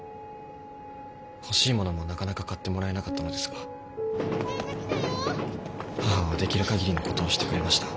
欲しいものもなかなか買ってもらえなかったのですが母はできるかぎりのことをしてくれました。